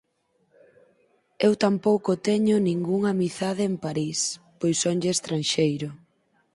Eu tampouco teño ningunha amizade en París, pois sonlle estranxeiro.